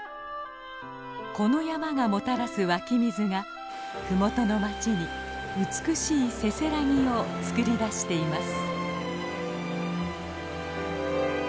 この山がもたらす湧き水がふもとの街に美しいせせらぎをつくり出しています。